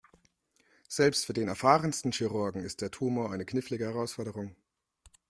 Selbst für den erfahrensten Chirurgen ist der Tumor eine knifflige Herausforderung.